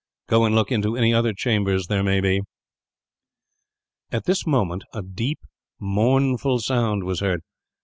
Go and look into any other chambers there may be." At this moment a deep, mournful sound was heard.